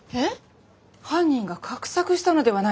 犯人が画策したのではないでしょうか？